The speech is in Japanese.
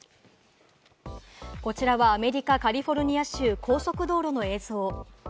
こちらはアメリカ・カリフォルニア州、高速道路の映像。